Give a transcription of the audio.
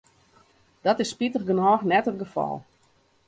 Dat is spitich genôch net it gefal.